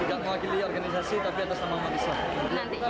tidak mewakili organisasi tapi atas nama umat islam